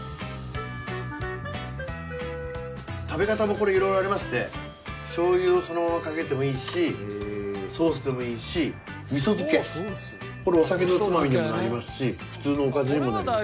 食べ方もこれ色々ありましてしょう油をそのままかけてもいいしソースでもいいし味噌漬けこれお酒のおつまみにもなりますし普通のおかずにもなります。